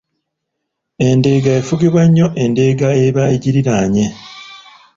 Endeega efugibwa nnyo endeega eba egiriraanye